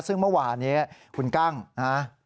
ซึ่งเมื่อวานี้คุณกั้งนะฮะ